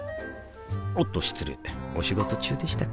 おっと失礼お仕事中でしたか